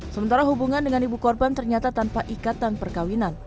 sementara hubungan dengan ibu korban ternyata tanpa ikatan perkawinan